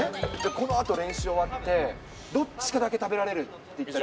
このあと練習終わって、どっちからだけ食べられるって言ったら。